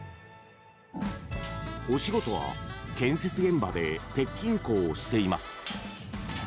お仕事は、建設現場で鉄筋工をしています。